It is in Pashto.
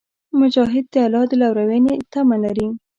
مجاهد د الله د لورینې تمه لري.